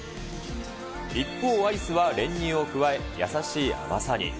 一方、アイスは練乳を加え、優しい甘さに。